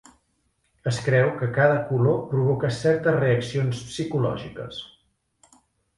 Es creu que cada color provoca certes reaccions psicològiques.